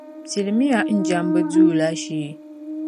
Pilimiya n jɛmbu duu la shee.